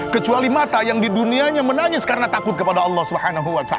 kecuali mata yang di dunianya menangis karena takut kepada allah swt